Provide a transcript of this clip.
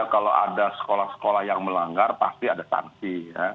kalau ada sekolah sekolah yang melanggar pasti ada sanksi